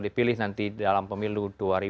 dipilih nanti dalam pemilu dua ribu dua puluh